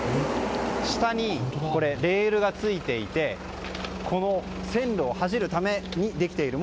下に、レールがついていて線路を走るためにできていると。